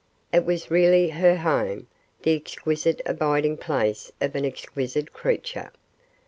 It was really her home, the exquisite abiding place of an exquisite creature.